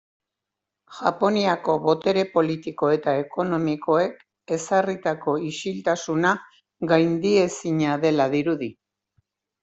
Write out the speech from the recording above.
Japoniako botere politiko eta ekonomikoek ezarritako isiltasuna gaindiezina dela dirudi.